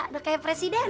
udah kayak presiden